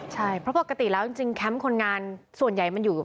ใช่เพราะปกติแล้วจริงแคมป์คนงานส่วนใหญ่มันอยู่